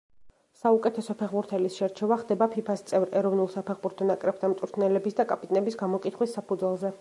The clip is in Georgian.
საუკეთესო ფეხბურთელის შერჩევა ხდება ფიფას წევრ ეროვნულ საფეხბურთო ნაკრებთა მწვრთნელების და კაპიტნების გამოკითხვის საფუძველზე.